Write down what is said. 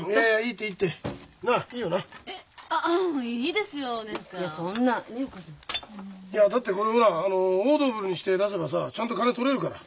いやだってこれほらあのオードブルにして出せばさちゃんと金とれるから。